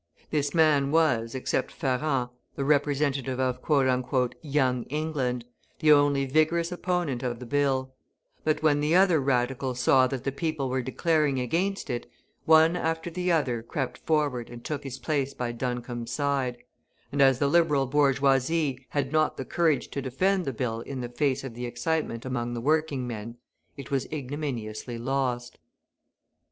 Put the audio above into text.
This man was, except Ferrand, the representative of "Young England," the only vigorous opponent of the bill; but when the other Radicals saw that the people were declaring against it, one after the other crept forward and took his place by Duncombe's side; and as the Liberal bourgeoisie had not the courage to defend the bill in the face of the excitement among the working men, it was ignominiously lost.